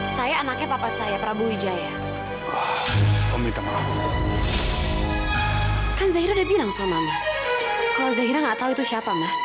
sampai jumpa di video selanjutnya